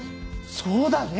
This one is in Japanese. そうだね！